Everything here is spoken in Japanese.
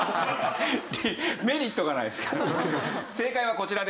メリットがないですから。